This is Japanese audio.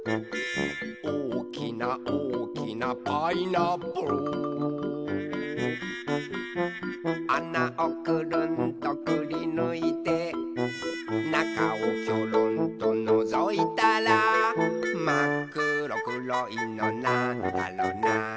「おおきなおおきなパイナップル」「あなをくるんとくりぬいて」「なかをきょろんとのぞいたら」「まっくろくろいのなんだろな」